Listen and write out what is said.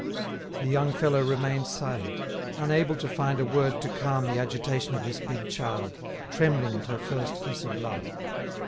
The young fellow remained silent, unable to find a word to calm the agitation of this big child, trembling at her first kiss of love.